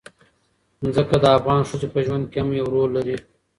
ځمکه د افغان ښځو په ژوند کې هم یو رول لري.